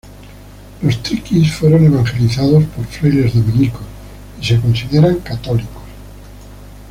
Los triquis fueron evangelizados por frailes dominicos y se consideran católicos.